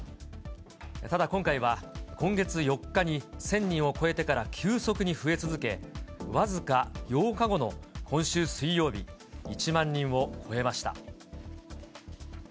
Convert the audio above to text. ただ、今回は今月４日に１０００人を超えてから急速に増え続け、僅か８日後の今週水曜日、１万人を超えました。